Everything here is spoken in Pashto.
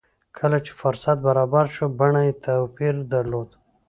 کله چې فرصت برابر شو بڼه يې توپير درلود.